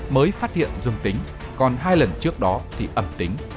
mới phát hiện dương tính còn hai lần trước đó thì âm tính